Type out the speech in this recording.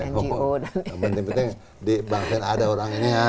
yang penting penting di banknya ada orangnya